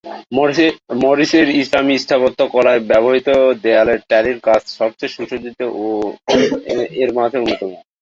Morris এর ইসলামী স্থাপত্য কলায় ব্যবহারিত দেয়ালের টালির কাজ সবচেয়ে সুসজ্জিত এর মাঝে অন্যতম।